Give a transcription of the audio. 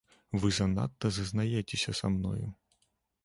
Вы занадта зазнаецеся са мною.